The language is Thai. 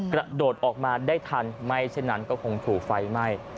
กระโดดออกมาได้ทันไม่เช่นนั้นก็คงถูกไฟไหม้